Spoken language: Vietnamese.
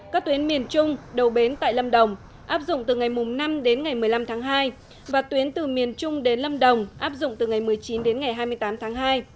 các tuyến miền trung đầu bến tại lâm đồng áp dụng từ ngày năm đến ngày một mươi năm tháng hai và tuyến từ miền trung đến lâm đồng áp dụng từ ngày một mươi chín đến ngày hai mươi tám tháng hai